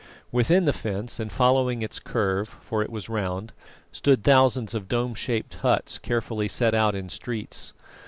Within the fence and following its curve, for it was round, stood thousands of dome shaped huts carefully set out in streets.